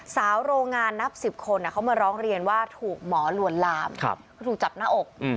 โรงงานนับ๑๐คนเขามาร้องเรียนว่าถูกหมอลวนลามถูกจับหน้าอก